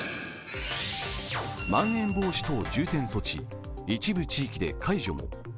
まん延防止等重点措置、一部地域で解除も。